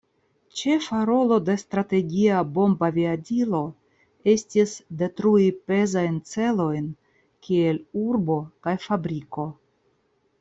Ĉefa rolo de Strategia bombaviadilo estis detrui pezajn celojn kiel urbo kaj fabriko.